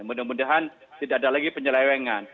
mudah mudahan tidak ada lagi penyelewengan